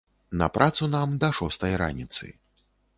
На працу нам да шостай раніцы.